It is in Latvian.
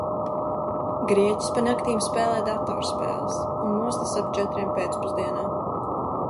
Grieķis pa naktīm spēlē datorspēles un mostas ap četriem pēcpusdienā.